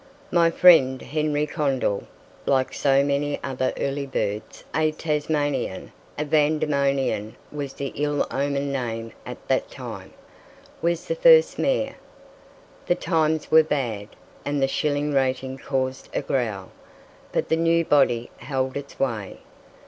My friend Henry Condell, like so many other early birds a Tasmanian (a Vandemonian was the ill omened name at that time), was the first mayor. The times were bad, and the shilling rating caused a growl, but the new body held its way.